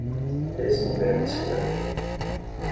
Desenvolver a psicografia